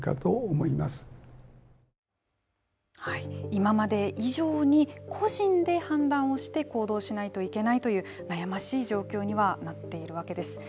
今まで以上に個人で判断をして行動しないといけないという悩ましい状況にはなっているわけです。